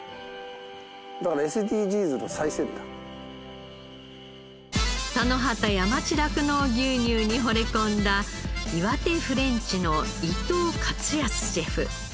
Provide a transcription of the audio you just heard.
だから田野畑山地酪農牛乳にほれ込んだ岩手フレンチの伊藤勝康シェフ。